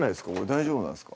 大丈夫なんですか？